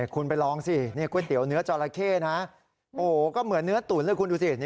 คุณไปลองสิก๋วยเตี๋ยวเนื้อจอราเข้นะโอ้โหก็เหมือนเนื้อตุ๋นเลยคุณดูสิ